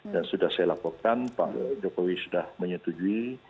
dan sudah saya laporkan pak jokowi sudah menyetujui